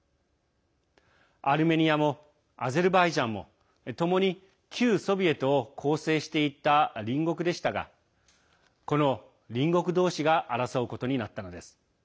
アルメニアもアゼルバイジャンもともに旧ソビエトを構成していた隣国でしたが、この隣国同士が争うことになったのです。